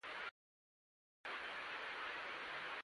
پښتو ژبه د سیمې د ادب او پوهې یوه برخه ده.